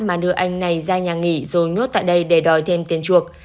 mà đưa anh này ra nhà nghỉ rồi nhốt tại đây để đòi thêm tiền chuộc